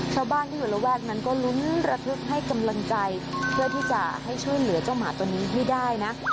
ชาวบ้านที่อยู่ระแวกนั้นก็ลุ้นระทึกให้กำลังใจเพื่อที่จะให้ช่วยเหลือเจ้าหมาตัวนี้ให้ได้นะ